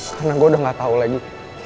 karena gue udah gak tau lagi